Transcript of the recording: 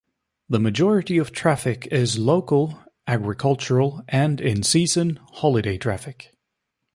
The majority of traffic is local, agricultural and, in season, holiday traffic.